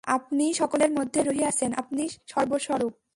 আপনিই সকলের মধ্যে রহিয়াছেন, আপনিই সর্বস্বরূপ।